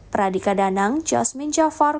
pradika danang jasmin jafar